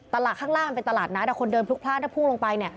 ตลาดข้างล่างเป็นตลาดน้าแต่คนเดินพลุกพลาดและพุ่งลงไป